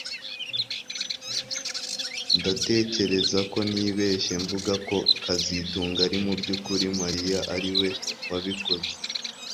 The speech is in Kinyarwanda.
Ndatekereza ko nibeshye mvuga ko kazitunga ari mubyukuri Mariya ari we wabikoze